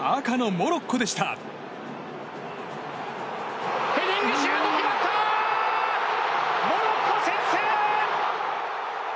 モロッコ先制！